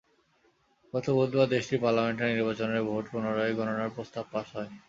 গত বুধবার দেশটির পার্লামেন্টে নির্বাচনের ভোট পুনরায় গণনার প্রস্তাব পাস হয়।